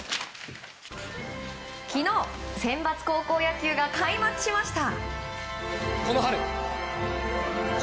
昨日、センバツ高校野球が開幕しました。